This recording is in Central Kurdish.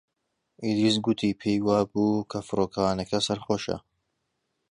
ئیدریس گوتی پێی وا بوو کە فڕۆکەوانەکە سەرخۆشە.